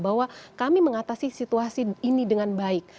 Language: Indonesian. bahwa kami mengatasi situasi ini dengan baik